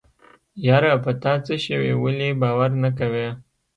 يره په تاڅه شوي ولې باور نه کوې.